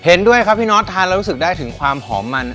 เห็นด้วยครับพี่น็อตทานแล้วรู้สึกได้ถึงความหอมมัน